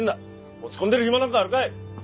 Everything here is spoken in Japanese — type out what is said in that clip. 落ち込んでる暇なんかあるかい！